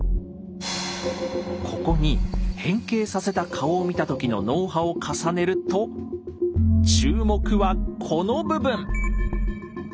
ここに変形させた顔を見た時の脳波を重ねると注目はこの部分！